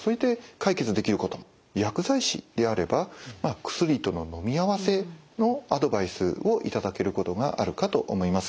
薬剤師であれば薬とののみ合わせのアドバイスを頂けることがあるかと思います。